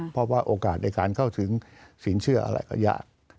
เพราะว่าโอกาสในการเข้าถึงสินเชื่ออะไรก็ยาก